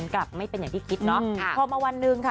กลับไม่เป็นอย่างที่คิดเนอะ